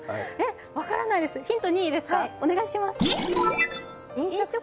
分からないです、ヒント２いいですか？